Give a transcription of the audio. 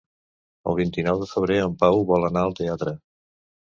El vint-i-nou de febrer en Pau vol anar al teatre.